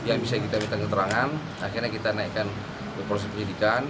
yang bisa kita minta keterangan akhirnya kita naikkan ke proses penyidikan